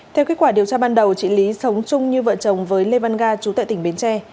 theo kết quả điều tra ban đầu chị lý sống chung như vợ chồng với lê văn ga chú tại tỉnh bến tre